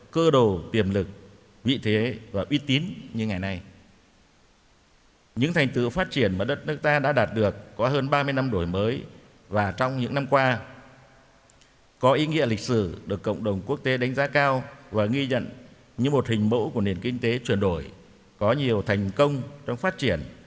khi nhận như một hình mẫu của nền kinh tế chuyển đổi có nhiều thành công trong phát triển